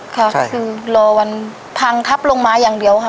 ค่ะคือรอวันพังทับลงมาอย่างเดียวค่ะ